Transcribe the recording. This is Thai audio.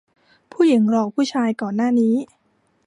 ผู้หญิงหลอกผู้ชายก่อนหน้านี้